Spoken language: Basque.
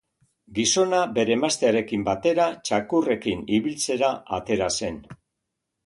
Gizona bere emaztearekin batera txakurrekin ibiltzera atera zen.